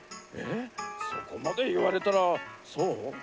えっそこまでいわれたらそう？